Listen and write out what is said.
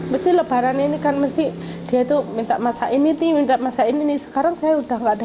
mesti lebaran ini kan mesti dia itu minta masain ini minta masain ini sekarang saya udah nggak ada